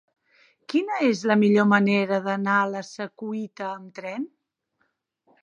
Quina és la millor manera d'anar a la Secuita amb tren?